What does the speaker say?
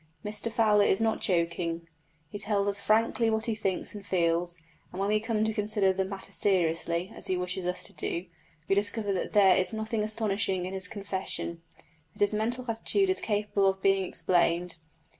Mr Fowler is not joking; he tells us frankly what he thinks and feels, and when we come to consider the matter seriously, as he wishes us to do, we discover that there is nothing astonishing in his confession that his mental attitude is capable of being explained.